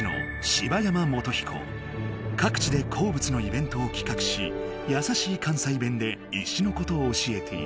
各地で鉱物のイベントを企画しやさしい関西弁で石のことを教えている。